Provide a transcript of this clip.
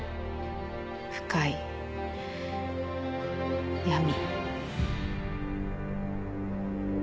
深い闇。